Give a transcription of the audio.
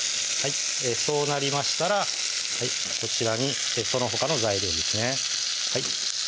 そうなりましたらこちらにそのほかの材料ですね